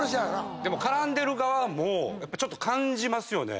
でも絡んでる側もちょっと感じますよね。